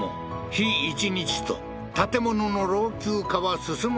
日一日と建物の老朽化は進む